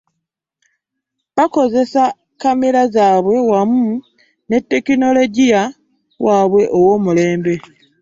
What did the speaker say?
Baakozesezza kkamera zaabwe wamu ne tekinologiya waabwe ow'omulembe